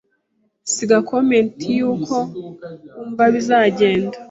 Siga comment y’uko wumva bizagenda,